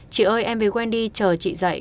chị ơi em về quen đi chờ chị dậy